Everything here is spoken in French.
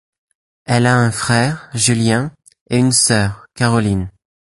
Elle a un frère, Julien, et une sœur, Caroline.